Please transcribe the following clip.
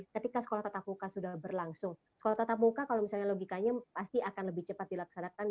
ketika sekolah tatap muka sudah berlangsung sekolah tatap muka kalau misalnya logikanya pasti akan lebih cepat dilaksanakan